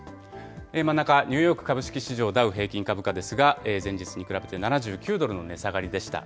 真ん中、ニューヨーク株式市場ダウ平均株価ですが、前日に比べて７９ドルの値下がりでした。